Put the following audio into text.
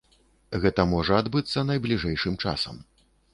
Гэта можа адбыцца найбліжэйшым часам.